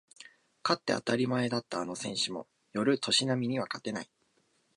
勝って当たり前だったあの選手も寄る年波には勝てない